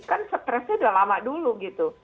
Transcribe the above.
kan stresnya udah lama dulu gitu